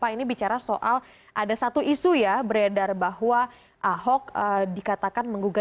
ini bicara soal ada satu isu ya beredar bahwa ahok dikatakan menggugat